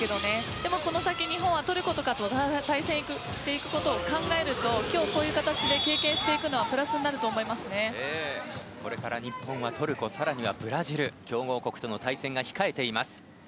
でもこの先、日本はトルコとかと対戦していくことを考えると今日こういう形で経験していくのはこれから日本はトルコ、ブラジルと強豪国との対戦を控えています。